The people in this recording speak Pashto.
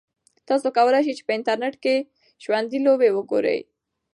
تاسو کولای شئ چې په انټرنیټ کې ژوندۍ لوبې وګورئ.